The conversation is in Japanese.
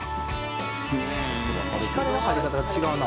「光の入り方が違うな」